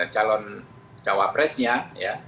calon cawapresnya ya